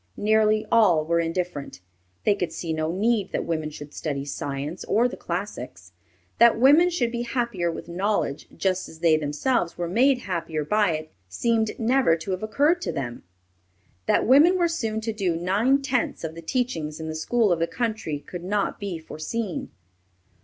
Nearly all were indifferent. They could see no need that women should study science or the classics. That women would be happier with knowledge, just as they themselves were made happier by it, seemed never to have occurred to them. That women were soon to do nine tenths of the teaching in the schools of the country could not be foreseen.